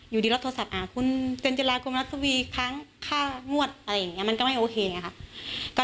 อยู่ดีแล้วโทรแซ็พอ่าคุณเจนเจราะกุมนัสวีค้างค่างวดอะไรอย่างนี้มันก็ไม่โอเคอย่างนี้ครับ